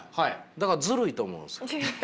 だからずるいと思うんです。